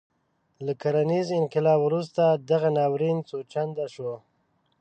له کرنیز انقلاب وروسته دغه ناورین څو چنده شو.